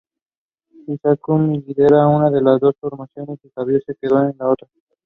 The castle continued to be used by the members of the Sforza House.